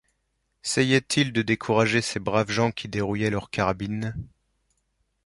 Seyait-il de décourager ces braves gens qui dérouillaient leurs carabines ?